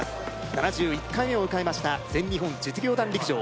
７１回目を迎えました全日本実業団陸上